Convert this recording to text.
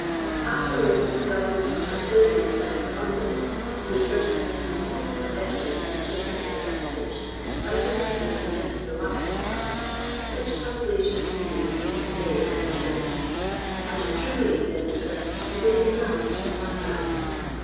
Afterwards the Bible was translated by Hieronymus (who first amended and corrected the Seventy Interpreters) out of Hebrew into the Latin tongue, which translation we use to this day in the Church. And truly, said Luther, he did enough for one man.